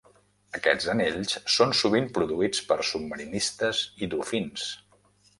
Aquests anells són sovint produïts per submarinistes i dofins.